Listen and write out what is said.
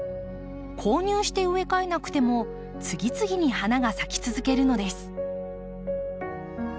購入して植え替えなくても次々に花が咲き続けるのです。